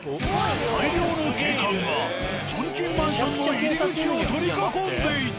大量の警官がチョンキンマンションの入り口を取り囲んでいた。